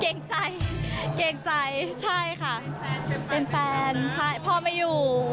เกรงใจใช่ค่ะเป็นแฟนใช่พ่อไม่อยู่